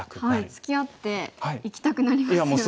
つきあっていきたくなりますよね。